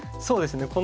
そうですね